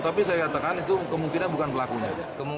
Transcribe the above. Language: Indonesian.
tapi saya katakan itu kemungkinan bukan pelakunya